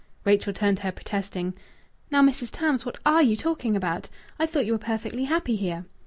Rachel turned to her, protesting "Now, Mrs. Tams, what are you talking about? I thought you were perfectly happy here."